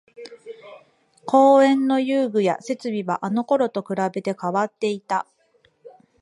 公園の遊具や設備はあのころと比べて変わっていた